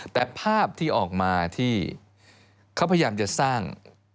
แต่ภาพที่ออกมาที่เขาพยายามจะสร้าง